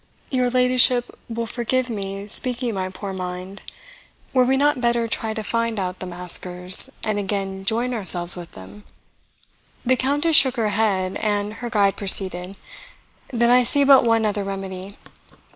Your ladyship will forgive my speaking my poor mind were we not better try to find out the maskers, and again join ourselves with them?" The Countess shook her head, and her guide proceeded, "Then I see but one other remedy."